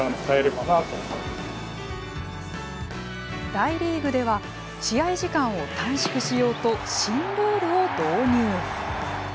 大リーグでは試合時間を短縮しようと新ルールを導入。